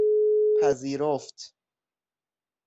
پذیرفت